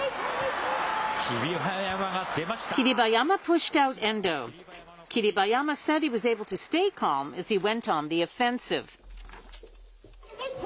霧馬山が出ました。